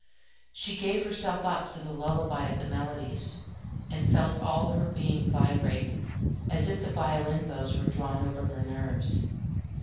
She gave herself up to the lullaby of the melodies, and felt all her being vibrate as if the violin bows were drawn over her nerves.